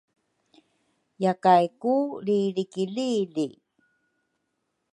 Yakay ku lrilrikili li